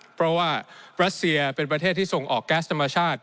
เพราะว่ารัสเซียเป็นประเทศที่ส่งออกแก๊สธรรมชาติ